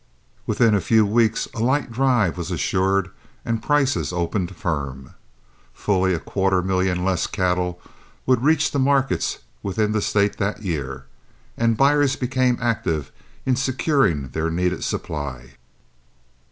Within a few weeks a light drive was assured, and prices opened firm. Fully a quarter million less cattle would reach the markets within the State that year, and buyers became active in securing their needed supply.